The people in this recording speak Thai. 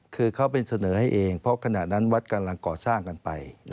คือเขาเป็นเสนอให้เองเพราะขณะนั้นวัดกำลังก่อสร้างกันไป